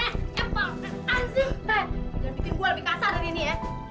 jangan bikin gue lebih kasar dari ini ya